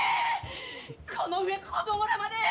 この上、子供らまで！